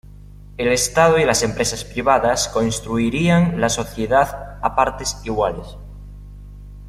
El Estado y las empresas privadas constituirían la sociedad a partes iguales.